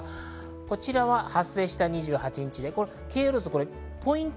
こちらは発生した２８日。